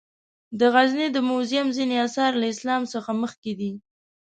د غزني د موزیم ځینې آثار له اسلام څخه مخکې دي.